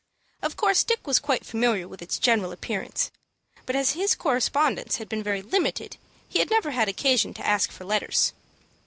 Of course Dick was quite familiar with its general appearance; but as his correspondence had been very limited, he had never had occasion to ask for letters.